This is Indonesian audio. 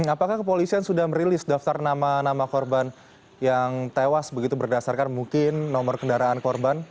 apakah kepolisian sudah merilis daftar nama nama korban yang tewas begitu berdasarkan mungkin nomor kendaraan korban